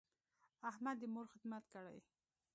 احمد د مور خدمت کړی.